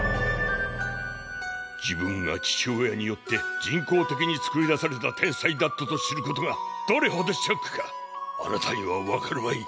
自分が父親によって人工的に作り出された天才だったと知ることがどれほどショックかあなたには分かるまい。